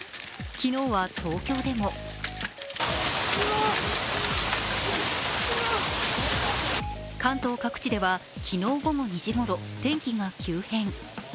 昨日は東京でも関東各地では昨日午後２時ごろ天気が急変。